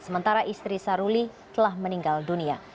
sementara istri saruli telah meninggal dunia